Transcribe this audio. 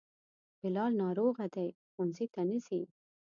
بلال ناروغه دی, ښونځي ته نه ځي